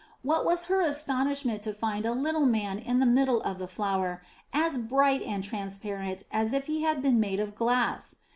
What was her astonishment to find a little man in the middle of the flower, as bright and transparent as if he had been made of glass.